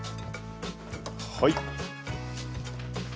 はい。